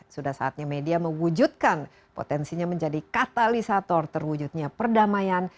sudah saatnya media mewujudkan potensinya menjadi katalisator terwujudnya perdamaian